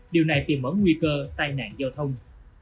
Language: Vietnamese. điều này tìm mở nguy cơ tai nạn giao thông